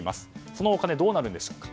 そのお金どうなるんでしょうか。